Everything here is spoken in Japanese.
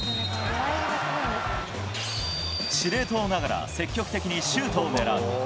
司令塔ながら積極的にシュートを狙う。